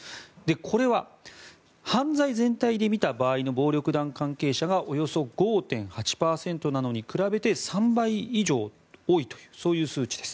これは犯罪全体で見た場合の暴力団関係者がおよそ５．８％なのに比べて３倍以上多いというそういう数値です。